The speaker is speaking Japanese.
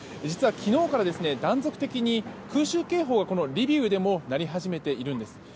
実は昨日から断続的に空襲警報がこのリビウでも鳴り始めているんです。